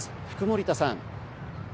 福盛田さん。